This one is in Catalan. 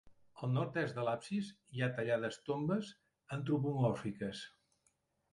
Al nord-est de l'absis, hi ha tallades tombes antropomòrfiques.